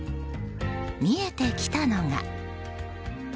見えてきたのが。